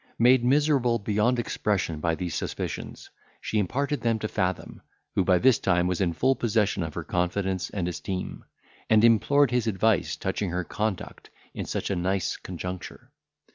Made miserable beyond expression by these suspicions, she imparted them to Fathom, who, by this time, was in full possession of her confidence and esteem, and implored his advice touching her conduct in such a nice conjuncture.